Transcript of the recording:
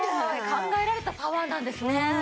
考えられたパワーなんですね。